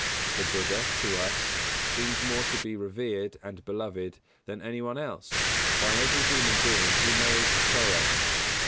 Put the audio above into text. The Buddha, to us, seems more to be revered and beloved than any one else, by every human being who knows sorrow.